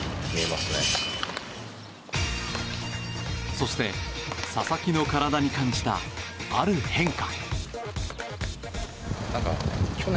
そして、佐々木の体に感じたある変化。